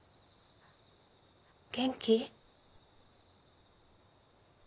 元気？